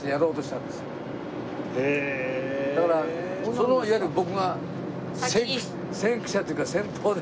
そのいわゆる僕が先駆者というか先鋒で。